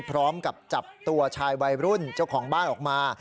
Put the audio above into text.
พร้อมกับจับตัวชายวัยรุ่นเจ้าของบ้านออกมา